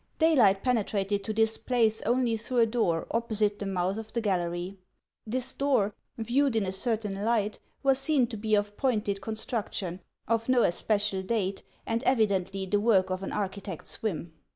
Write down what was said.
Daylight penetrated to this place only through a door opposite the mouth of the gallery. This door, viewed in a certain light, was seen to be of pointed construction, of no especial date, and evidently the work of the archi tect's whim.